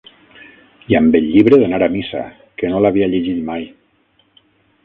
I amb el llibre d'anar a missa, que no l'havia llegit mai